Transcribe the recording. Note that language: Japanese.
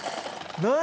何？